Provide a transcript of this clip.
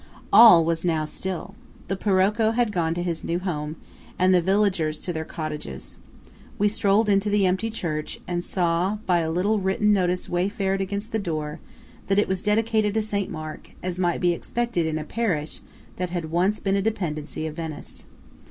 All was now still. The Paroco had gone to his new home, and the villagers to their cottages. We strolled into the empty church, and saw by a little written notice wafered against the door, that it was dedicated to St. Mark–as might be expected in a parish that had once been a dependency of Venice.